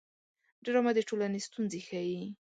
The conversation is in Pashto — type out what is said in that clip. ډرامه د ټولنې ستونزې ښيي